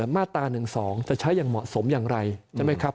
มาตรา๑๒จะใช้เหมาะสมอย่างไรพร้อมให้ผมรู้ได้นะคะ